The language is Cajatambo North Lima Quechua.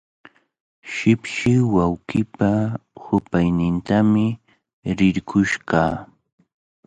Shipshi wawqiipa hupaynintami rirqush kaa.